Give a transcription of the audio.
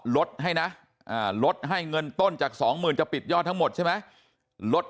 ลดให้นะลดให้เงินต้นจาก๒๐๐๐จะปิดยอดทั้งหมดใช่ไหม